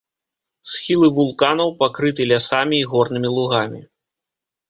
Схілы вулканаў пакрыты лясамі і горнымі лугамі.